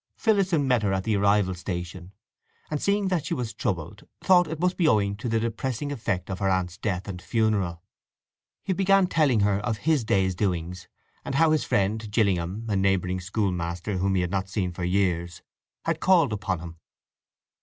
Phillotson met her at the arrival station, and, seeing that she was troubled, thought it must be owing to the depressing effect of her aunt's death and funeral. He began telling her of his day's doings, and how his friend Gillingham, a neighbouring schoolmaster whom he had not seen for years, had called upon him.